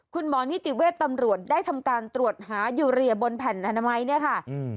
คุณหมอนิติเวชตำรวจได้ทำการตรวจหายูเรียบนแผ่นอนามัยเนี่ยค่ะ